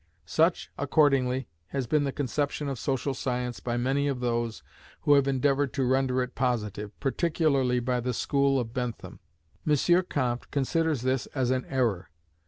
Such, accordingly, has been the conception of social science by many of those who have endeavoured to render it positive, particularly by the school of Bentham. M. Comte considers this as an error.